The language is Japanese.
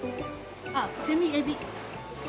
ああセミエビ。